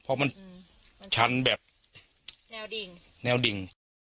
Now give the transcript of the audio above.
เพราะมันชั้นแบบแนวดิ่ง